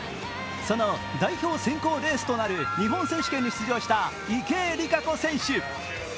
その代表選考レースとなる日本選手権に出場した池江璃花子選手。